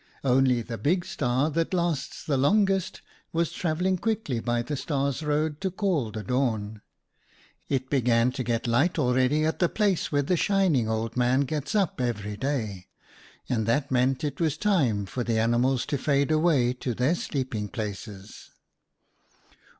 Only the Big Star, that lasts the longest, was travelling quickly by the Stars' Road to call the Dawn. It began to get light already at the place where the shining Old Man gets up every day, and that meant it was time for the animals to fade away to their sleeping places.